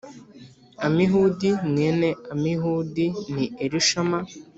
Amihudi mwene Amihudi ni Elishama